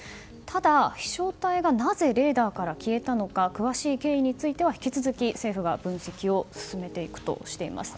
ただ飛翔体がなぜレーダーから消えたのか詳しい経緯については引き続き政府が分析を進めていくとしています。